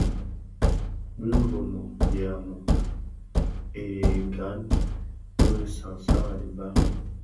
Bi Rimoh (Biamo) et Gahn bi sansan a dimbag.